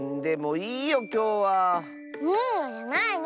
いいよじゃないの！